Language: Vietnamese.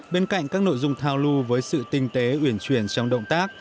bên cạnh các nội dung thao lưu với sự tinh tế uyển truyền trong động tác